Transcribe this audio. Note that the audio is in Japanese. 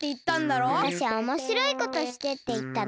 わたしはおもしろいことしてっていったの。